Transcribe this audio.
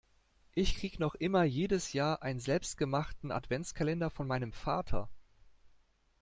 Ich krieg noch immer jedes Jahr einen selbstgemachten Adventkalender von meinem Vater.